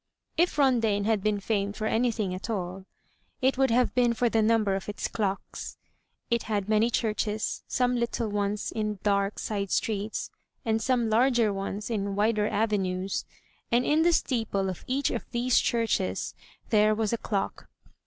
If Rondaine had been famed for anything at all, it would have been for the number of its clocks. It had many churches, some little ones in dark side streets, and some larger ones in wider avenues; and in the steeple of each of these churches there was a clock.